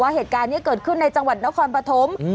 เหตุการณ์นี้เกิดขึ้นในจังหวัดนครปฐม